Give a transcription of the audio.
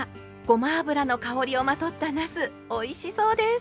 ごま油の香りをまとったなすおいしそうです！